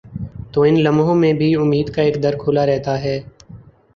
تو ان لمحوں میں بھی امید کا ایک در کھلا رہتا ہے۔